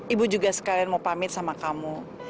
ibu juga sekalian mau pamit sama kamu